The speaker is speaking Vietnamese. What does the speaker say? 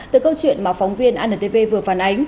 từ câu chuyện mà phóng viên antv vừa phản ánh